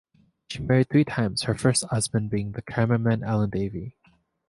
She married three times, her first husband being the cameraman Allen Davey.